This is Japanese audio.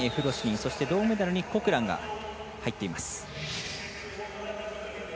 そして銅メダルにコクランが入っています。